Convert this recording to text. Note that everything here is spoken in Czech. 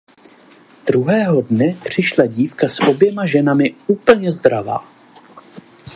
Druhého dne přišla dívka s oběma ženami úplně zdravá.